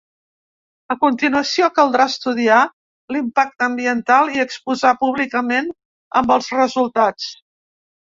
A continuació caldrà estudiar l’impacte ambiental i exposar públicament amb els resultats.